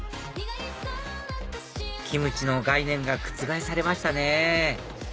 キムチの概念が覆されましたね